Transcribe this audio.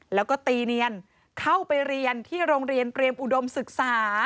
แล้วก็ตีเนียนเข้าไปเรียนที่โรงเรียนเตรียมอุดมศึกษา